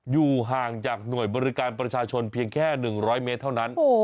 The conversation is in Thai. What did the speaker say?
อยู่ห่างจากหน่วยบริการประชาชนเพียงแค่๑๐๐เมตรเท่านั้น